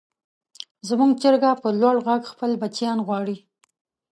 زموږ چرګه په لوړ غږ خپل بچیان غواړي.